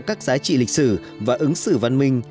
các giá trị lịch sử và ứng xử văn minh